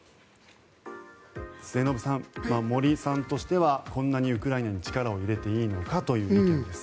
末延さん、森さんとしてはこんなにウクライナに力を入れていいのかという意見です。